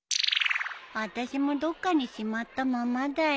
あたしもどっかにしまったままだよ。